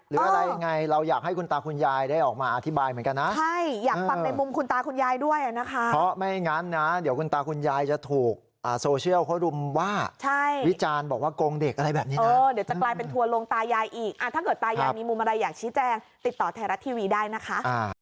รู้ยังไงเรายากให้คุณตาคุณยายอธิบายเหมือนกันนะเพราะไม่งั้นคุณตาคุณยายจะถูกโซเชียลข้อรุมว่าวิจารณ์บอกว่ากรงเดกอะไรแบบนี้เรากลายเป็นทวรรมตายายอีกถ้าแก่เทลาแทรกทีวีได้นะคะ